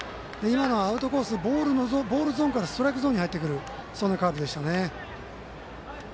アウトコース、ボールゾーンからストライクゾーンに入ってくるそんなカーブでしたね。